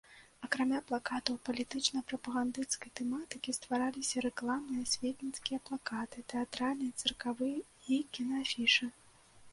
Акрамя плакатаў палітычна-прапагандысцкай тэматыкі, ствараліся рэкламныя, асветніцкія плакаты, тэатральныя, цыркавыя і кінаафішы.